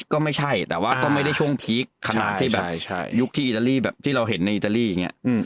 ก็ไม่ใช่แต่ว่าก็ไม่ได้ช่วงพีคขนาดที่แบบยุคที่อิตาลีแบบที่เราเห็นในอิตาลีอย่างนี้